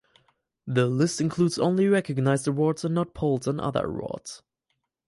This list includes only recognized awards and not polls and other awards.